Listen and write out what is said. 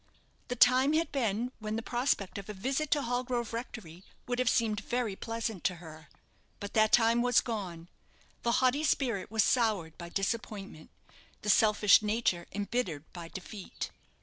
The time had been when the prospect of a visit to Hallgrove Rectory would have seemed very pleasant to her. But that time was gone. The haughty spirit was soured by disappointment, the selfish nature embittered by defeat.